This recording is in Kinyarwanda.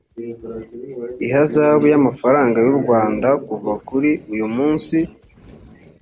ihazabu y amafaranga y u rwanda kuva kuri uyumunsi